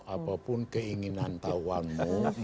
apapun keinginan tahuanmu